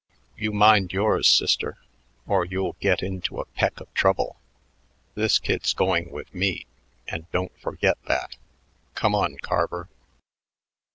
"You mind yours, sister, or you'll get into a peck of trouble. This kid's going with me and don't forget that. Come on, Carver."